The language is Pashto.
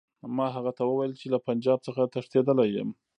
ما هغه ته وویل چې له پنجاب څخه تښتېدلی یم.